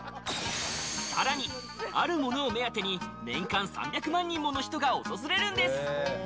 さらに、あるものを目当てに年間３００万人もの人が訪れるんです。